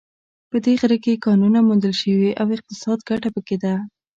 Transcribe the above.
په دې غره کې کانونو موندل شوې او اقتصادي ګټه په کې ده